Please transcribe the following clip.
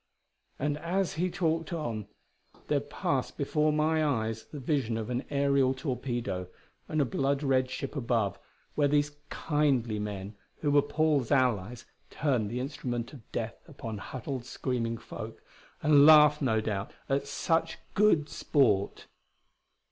And as he talked on there passed before my eyes the vision of an aerial torpedo and a blood red ship above, where these "kindly" men who were Paul's allies turned the instrument of death upon huddled, screaming folk and laughed, no doubt, at such good sport.